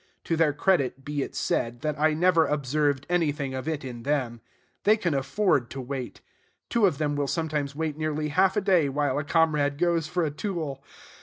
To their credit be it said, that I never observed anything of it in them. They can afford to wait. Two of them will sometimes wait nearly half a day while a comrade goes for a tool.